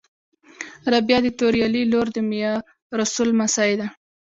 رابعه د توریالي لور د میارسول لمسۍ ده